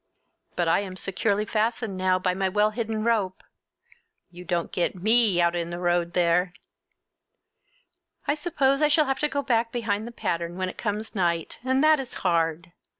But I am securely fastened now by my well hidden rope—you don't get me out in the road there! I suppose I shall have to get back behind the pattern when it comes night, and that is hard!